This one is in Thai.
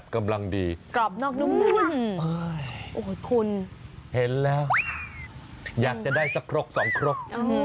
กลับนอกนุ่มโอ้คุณเห็นแล้วอยากจะได้สักครบสองครบ